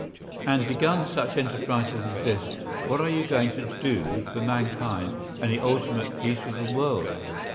And begun such enterprises as this, what are you going to do for mankind and the ultimate peace of the world?